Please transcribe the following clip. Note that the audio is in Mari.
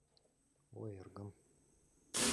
Ой, эргым!..